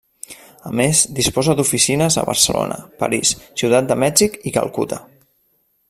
A més disposa d'oficines a Barcelona, París, Ciutat de Mèxic i Calcuta.